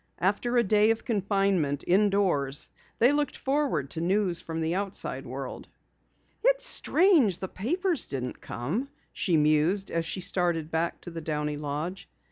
After a day of confinement indoors they looked forward to news from the outside world. "It's strange the papers didn't come," she mused as she started back to the Downey lodge.